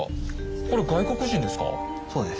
これ外国人ですか？